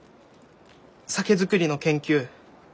酒造りの研究